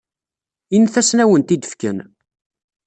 Init-asen ad awen-t-id-fken.